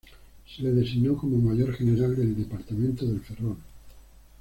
Se le designó como Mayor General del Departamento de Ferrol.